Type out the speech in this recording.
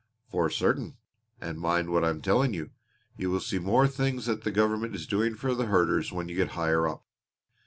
"For certain! And mind what I'm telling you you will see more things that the government is doing for the herders when you get higher up.